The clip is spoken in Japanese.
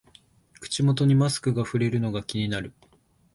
口元にマスクがふれるのが気になる